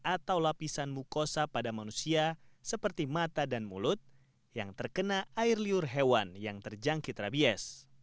atau lapisan mukosa pada manusia seperti mata dan mulut yang terkena air liur hewan yang terjangkit rabies